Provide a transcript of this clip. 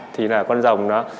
thì là con rồng nó